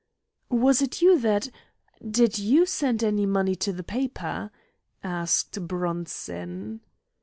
"Was it you that did you send any money to a paper?" asked Bronson.